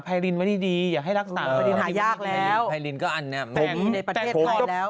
ไพรินก็อันนี้ไม่มีในประเทศไทยแล้ว